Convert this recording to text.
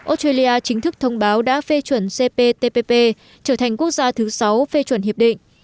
australia chính thức thông báo đã phê chuẩn cptpp trở thành quốc gia thứ sáu phê chuẩn hiệp định